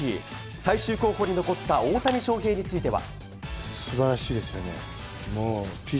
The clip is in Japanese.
最終候補に残った大谷翔平については。